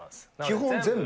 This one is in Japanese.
基本全部？